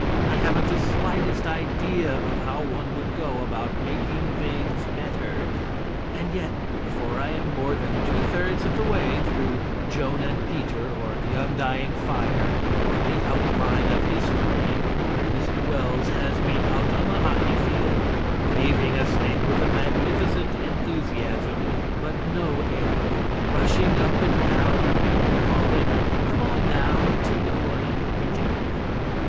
I haven't the slightest idea of how one would go about making things better. And yet before I am more than two thirds of the way through "Joan and Peter" or "The Undying Fire" or "The Outline of History," Mr. Wells has me out on the hockey field waving a stick with a magnificent enthusiasm but no aim, rushing up and down and calling, "Come on, now!" to no one in particular.